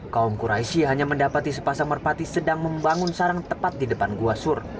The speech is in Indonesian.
kaum quraishi hanya mendapati sepasang merpati sedang membangun sarang tepat di depan gua sur